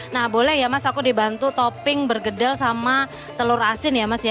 nah boleh ya mas aku dibantu topping bergedel sama telur asin ya mas ya